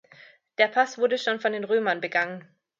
Der Pass wurde schon von den Römern begangen.